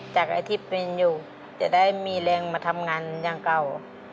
ไอ้ที่เป็นอยู่จะได้มีแรงมาทำงานอย่างเก่า